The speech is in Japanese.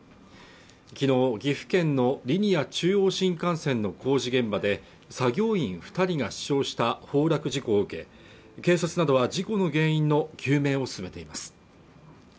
昨日岐阜県のリニア中央新幹線の工事現場で作業員二人が死傷した崩落事故を受け警察などは事故の原因の究明を進めています